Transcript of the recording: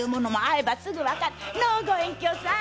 のう御隠居さん？